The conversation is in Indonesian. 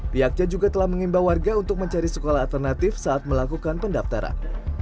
pihaknya juga telah mengimbau warga untuk mencari sekolah alternatif saat melakukan pendaftaran